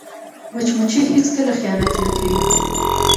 مچمچۍ هیڅکله خیانت نه کوي